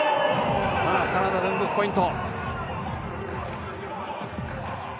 カナダ、連続ポイント。